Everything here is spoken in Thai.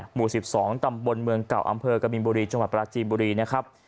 หมู่๑๒ตำบลเมืองเก่าอำเภอกบินบุรีจังหวัดปราจีนบุรีนะครับ